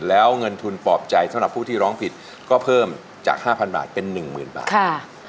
แล้วเงินทุนปลอบใจสำหรับผู้ที่ร้องผิดก็เพิ่มจาก๕๐๐บาทเป็น๑๐๐๐บาท